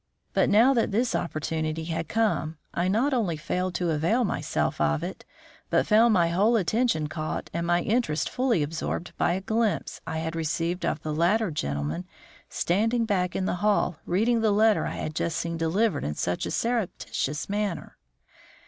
But now that this opportunity had come, I not only failed to avail myself of it, but found my whole attention caught and my interest fully absorbed by a glimpse I had received of the latter gentleman standing back in the hall reading the letter I had just seen delivered in such a surreptitious manner.